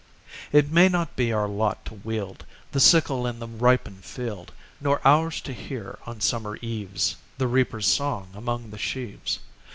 It may not be our lot to wield The sickle in the ripened field; Nor ours to hear, on summer eves, The reaper's song among the sheaves.